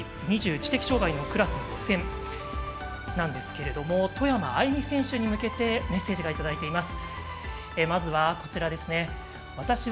知的障がいのクラスの予選なんですが外山愛美選手に向けてメッセージをいただいています。